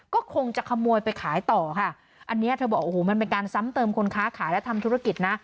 ก็คงจะขโมยไปขายต่อค่ะอันนี้เธอบอกโอ้โหมันเป็นการซ้ำเติมคนค้าขายและทำธุรกิจนะ